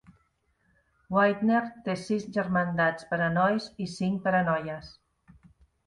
Widener té sis germandats per a nois i cinc per a noies.